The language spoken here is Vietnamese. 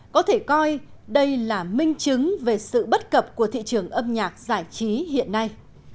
có thể coi đây là minh chứng về sự bất cập của thị trường âm nhạc giải trí hiện nay